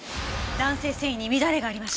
弾性繊維に乱れがありました。